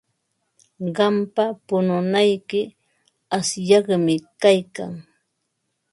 Qampa pununayki asyaqmi kaykan.